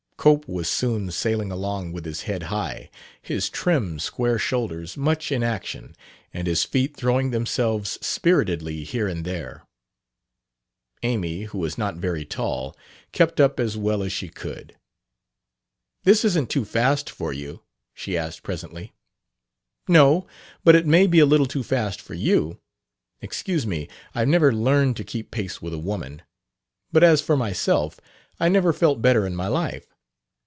Cope was soon sailing along with his head high, his trim square shoulders much in action, and his feet throwing themselves spiritedly here and there. Amy, who was not very tall, kept up as well as she could. "This isn't too fast for you...?" she asked presently. "No; but it may be a little too fast for you. Excuse me; I've never learned to keep pace with a woman. But as for myself, I never felt better in my life.